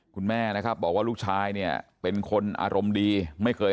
คุณแม่นะครับบอกว่าลูกชายเนี่ยเป็นคนอารมณ์ดีไม่เคย